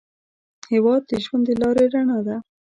هېواد د ژوند د لارې رڼا ده.